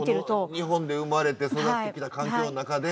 日本で生まれて育ってきた環境の中でそうですよね。